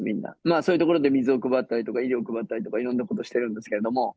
そういう所で水を配ったりとか、いりょう配ったりとかいろんなことをしているんですけれども。